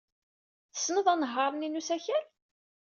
Tessned anehhaṛ-nni n usakal?